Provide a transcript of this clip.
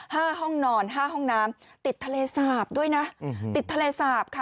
ห้องนอนห้าห้องน้ำติดทะเลสาบด้วยนะอืมติดทะเลสาปค่ะ